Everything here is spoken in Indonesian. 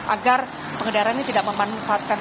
agar pengendara ini tidak memanfaatkan